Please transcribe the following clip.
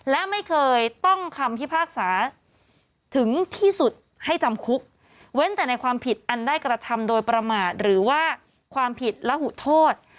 และไม่เคยต้องคำพิพากษาถึงที่สุดให้จำคุกเว้นแต่ในความผิดอันได้กระทำโดยประมาทหรือว่าความผิดระหุโทษ